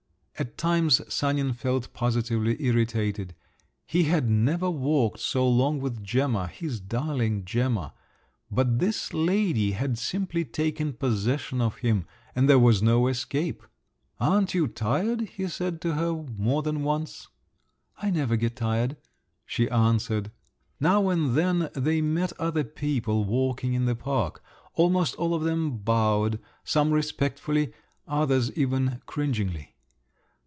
At times Sanin felt positively irritated; he had never walked so long with Gemma, his darling Gemma … but this lady had simply taken possession of him, and there was no escape! "Aren't you tired?" he said to her more than once. "I never get tired," she answered. Now and then they met other people walking in the park; almost all of them bowed—some respectfully, others even cringingly.